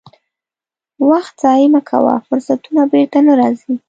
وخت ضایع مه کوه، فرصتونه بیرته نه راځي.